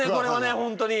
本当に。